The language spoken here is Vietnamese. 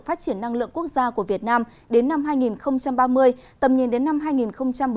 phát triển năng lượng quốc gia của việt nam đến năm hai nghìn ba mươi tầm nhìn đến năm hai nghìn bốn mươi năm